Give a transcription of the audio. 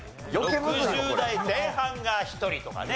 ６０代前半が１人とかね。